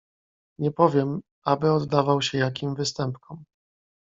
"Nie powiem, aby oddawał się jakim występkom."